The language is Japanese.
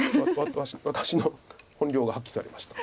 私の本領が発揮されました。